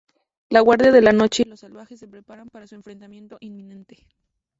La Guardia de la Noche y los Salvajes se preparan para su enfrentamiento inminente.